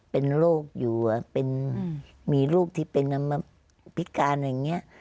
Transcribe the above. เป็นโรคอยู่มีลูกที่เป็นกรรมพิการอย่างนี้